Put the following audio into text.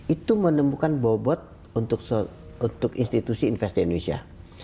itu menemukan bobot untuk institusi investasi indonesia